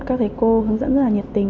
các thầy cô hướng dẫn rất là nhiệt tình